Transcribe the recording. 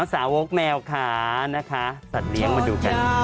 สาวกแมวค่ะนะคะสัตว์เลี้ยงมาดูกัน